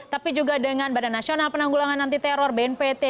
tapi juga dengan badan nasional penanggulangan anti teror bnpt